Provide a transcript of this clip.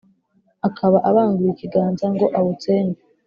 akaba abanguye ikiganza ngo awutsembe.